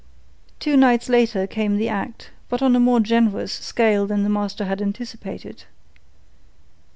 Two nights later came the act, but on a more generous scale than the master had anticipated.